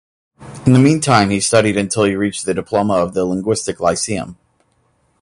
In the meantime he studied until he reached the diploma of the Linguistic Lyceum.